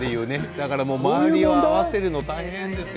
だから周りが合わせるの大変ですよ。